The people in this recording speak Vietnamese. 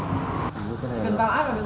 cần bảo áp và bình luận